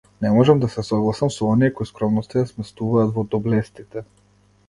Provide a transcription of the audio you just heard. Не можам да се согласам со оние кои скромноста ја сместуваат во доблестите.